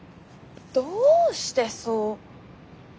どうしてそう。